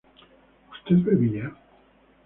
¿usted bebía?